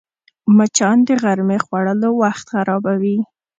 مچان د غرمې خوړلو وخت خرابوي